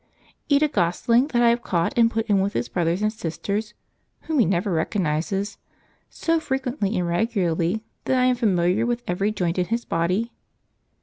Eat a gosling that I have caught and put in with his brothers and sisters (whom he never recognises) so frequently and regularly that I am familiar with every joint in his body?